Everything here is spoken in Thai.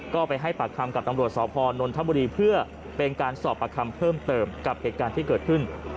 ก็ไปให้ปากคำกับตำรวจสพนนทบุรีเพื่อเป็นการสอบประคำเพิ่มเติมกับเหตุการณ์ที่เกิดขึ้น